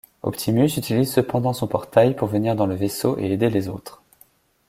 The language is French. Optimus utilise cependant son portail pour venir dans le vaisseau et aider les autres.